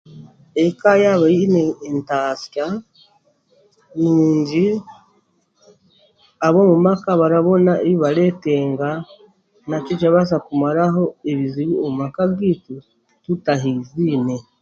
Eka yaaba eine entaasya nungi ab'omu maka barabona ebi bareetenga nikyo ekirabaasa kumaraho ebizibu omu maka gaitu tutahaiziine